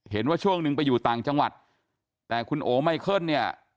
เห็นว่าช่วงหนึ่งไปอยู่ต่างจังหวัดแต่คุณโอไมเคิลเนี่ย